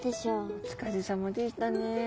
お疲れさまでしたね。